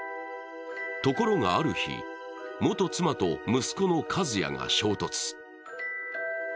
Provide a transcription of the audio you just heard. ところがある日、元妻と息子の一也が衝突。